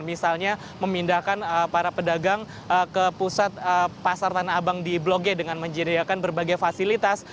misalnya memindahkan para pedagang ke pusat pasar tanah abang di blok g dengan menyediakan berbagai fasilitas